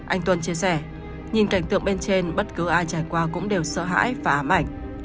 anh tuân chia sẻ nhìn cảnh tượng bên trên bất cứ ai trải qua cũng đều sợ hãi và ám ảnh